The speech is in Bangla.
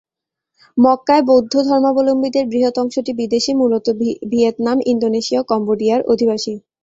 মরক্কোয় বৌদ্ধ ধর্মাবলম্বীদের বৃহত্তর অংশটি বিদেশী, মূলত ভিয়েতনাম, ইন্দোনেশিয়া ও কম্বোডিয়ার অধিবাসী।